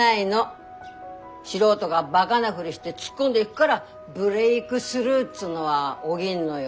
素人がバガなふりして突っ込んでいぐがらブレークスルーっつうのは起ぎんのよ。